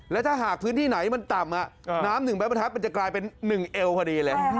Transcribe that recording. แล้วถ้าหากพื้นที่ไหนมันต่ำน้ำ๑ไม้ประทัดมันจะกลายเป็น๑เอวพอดีเลย